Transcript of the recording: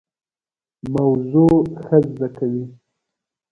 موضوع ښه زده کوي.